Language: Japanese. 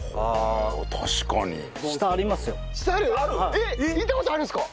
えっ行った事あるんですか！？